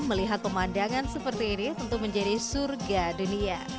melihat pemandangan seperti ini tentu menjadi surga dunia